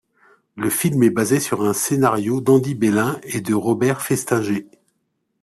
Le film est basé sur un scénario d'Andy Bellin et de Robert Festinger.